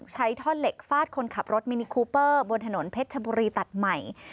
ท่อนเหล็กฟาดคนขับรถมินิคูเปอร์บนถนนเพชรชบุรีตัดใหม่